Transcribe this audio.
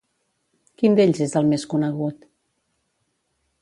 Quin d'ells és el més conegut?